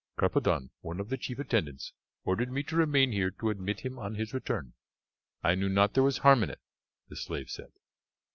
"Carpadon, one of the chief attendants, ordered me to remain here to admit him on his return. I knew not there was harm in it," the slave said.